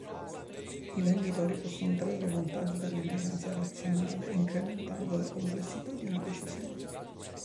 I venditori possono trarre vantaggio dall'ignoranza razionale incrementando la complessità di una decisione.